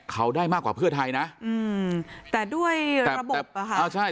เขาได้มากกว่าเพื่อไทยนะอืมแต่ด้วยระบบอ่ะค่ะอ่าใช่